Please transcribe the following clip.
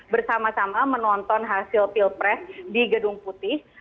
bersama sama menonton hasil pilpres di gedung putih